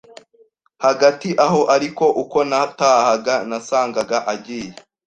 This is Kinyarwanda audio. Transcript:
Hagati aho ariko uko natahaga nasangaga agiye